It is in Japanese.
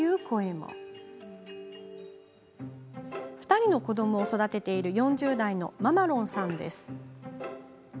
２人の子どもを育てている４０代のママロンさんです。